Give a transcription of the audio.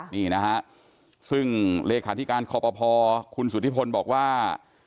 นี่นะฮะซึ่งเลขาธิการคอปภคุณสุธิพลบอกว่า